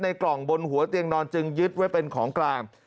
กล่องบนหัวเตียงนอนจึงยึดไว้เป็นของกลาง